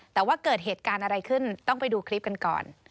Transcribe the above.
แต่ว่าเกิดเหตุการณ์อะไรขึ้นต้องไปดูคลิปกันก่อน